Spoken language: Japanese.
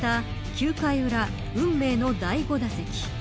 ９回裏運命の第５打席。